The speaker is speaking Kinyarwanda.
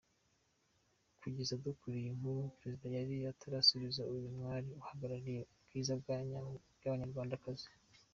Kugeza dukora iyi nkuru Perezida yari atarasubiza uyu mwari uhagarariye ubwiza bw’Abanyarwandakazi.